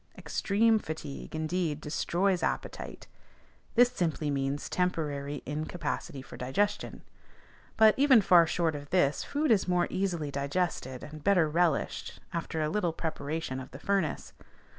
Extreme fatigue, indeed, destroys appetite: this simply means temporary incapacity for digestion. But, even far short of this, food is more easily digested and better relished after a little preparation of the furnace.